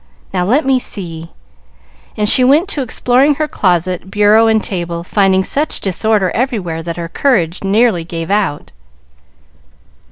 Now, let me see;" and she went to exploring her closet, bureau, and table, finding such disorder everywhere that her courage nearly gave out.